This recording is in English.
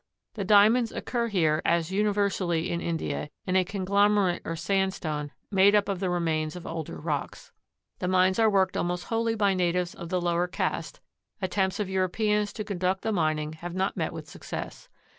The Diamonds occur here, as universally in India, in a conglomerate or sandstone made up of the remains of older rocks. The mines are worked almost wholly by natives of the lower caste, attempts of Europeans to conduct the mining not having met with success.